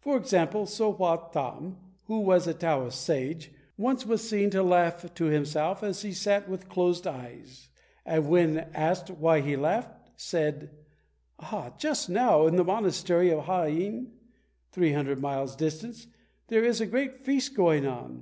For example, So Wha tam, who was a Taoist Sage, once was seen to laugh to himself as he sat with closed eyes, and when asked why he laughed, said, "Just now in the monastery of Ha in [300 miles distant] there is a great feast going on.